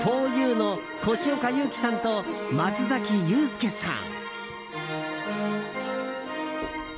ふぉゆの越岡裕貴さんと松崎祐介さん。